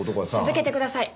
続けてください。